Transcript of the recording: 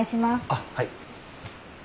あっはい。